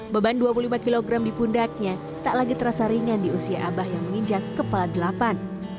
beban dua puluh lima kg di pundaknya tak lagi terasa ringan di usia abah yang menginjak kepala delapan